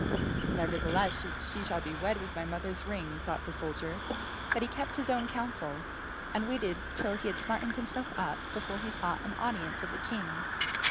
"Nevertheless she shall be wed with my mother's ring," thought the soldier. But he kept his own counsel, and only waited till he had smartened himself up, before he sought an audience of the king.